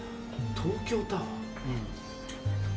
東京タワー。